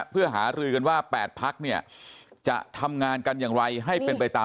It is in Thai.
เพื่อหารือกันว่า๘พักเนี่ยจะทำงานกันอย่างไรให้เป็นไปตาม